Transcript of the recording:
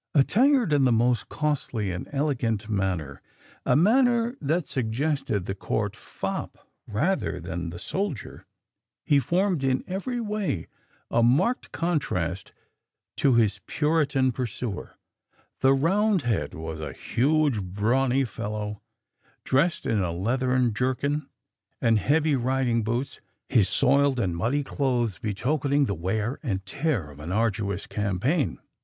"Attired in the most costly and elegant manner, a manner that suggested the court fop rather than the soldier, he formed in every way a marked contrast to his puritan pursuer. The Roundhead was a huge, brawny fellow, dressed in a leathern jerkin and heavy riding boots his soiled and muddy clothes betokening the wear and tear of an arduous campaign.